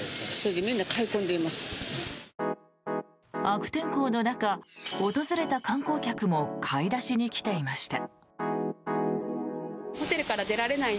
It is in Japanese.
悪天候の中、訪れた観光客も買い出しに来ていました。